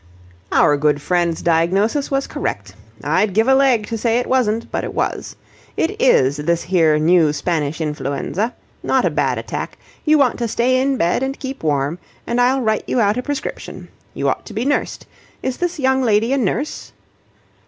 "Our good friend's diagnosis was correct. I'd give a leg to say it wasn't, but it was. It is this here new Spanish influenza. Not a bad attack. You want to stay in bed and keep warm, and I'll write you out a prescription. You ought to be nursed. Is this young lady a nurse?"